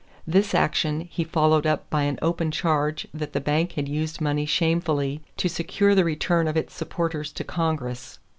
This action he followed up by an open charge that the bank had used money shamefully to secure the return of its supporters to Congress.